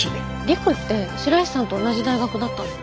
陸って白石さんと同じ大学だったの？